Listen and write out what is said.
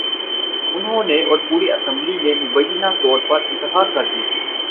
انہوں نے اور پوری اسمبلی نے مبینہ طور پر انتہا کر دی تھی۔